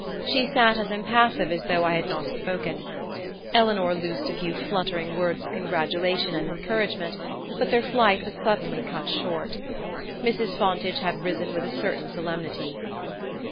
She sat as impassive as though I had not spoken. Eleanor loosed a few fluttering words of congratulation and encouragement, but their flight was suddenly cut short. Mrs. Fontage had risen with a certain solemnity.